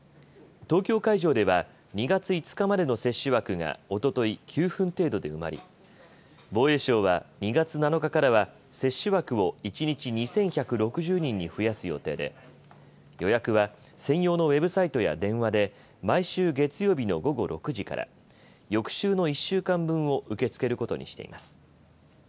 東京会場では、２月５日までの接種枠が、おととい９分程度で埋まり、防衛省は２月７日からは接種枠を一日２１６０人に増やす予定で予約は、専用のウェブサイトや電話で毎週月曜日の午後６時から翌週の１週間分を受け付けることにしています。